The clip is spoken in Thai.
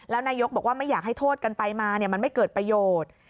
แล้วนายกบอกว่าไม่อยากให้โทษกันไปมามันไม่เกิดประโยชน์